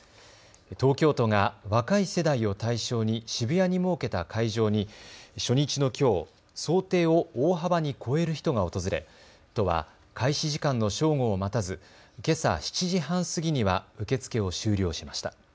東京都が若い世代を対象に渋谷に設けた会場に初日のきょう、想定を大幅に超える人が訪れ都は開始時間の正午を待たずけさ７時半過ぎには受け付けを終了しました。